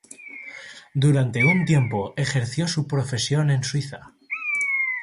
Durante un tiempo ejerció su profesión en Suiza.